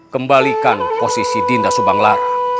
kembalikan posisi dinda subang lara